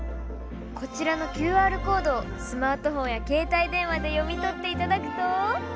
こちらのＱＲコードをスマートフォンや携帯電話で読み取っていただくと。